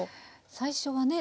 最初はね